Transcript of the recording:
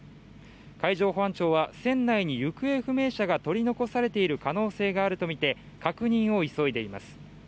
海上保安庁は船内に行方不明者が取り残されている可能性があるとみて確認を急いでいます。